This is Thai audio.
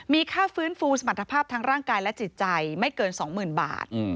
มีค่าฟื้นฟูสมรรถภาพทางร่างกายและจิตใจไม่เกิน๒๐๐๐บาท